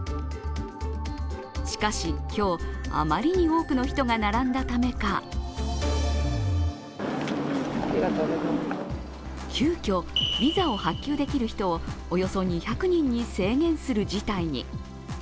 しかし、今日あまりに多くの人が並んだためか急きょ、ビザを発給できる人をおよそ２００人に制限する事態に。